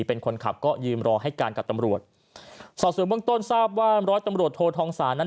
เป็นคนขับก็ยืนรอให้การกับตำรวจสอบส่วนเบื้องต้นทราบว่าร้อยตำรวจโททองศาลนั้น